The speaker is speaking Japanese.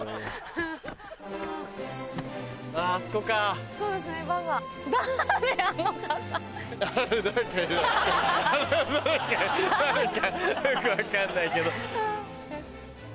何かよく分かんないけど。